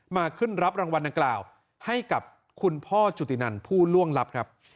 มาขึ้นรับรางวัลดังกล่าวให้กับคุณพ่อจุตินันผู้ล่วงลับครับ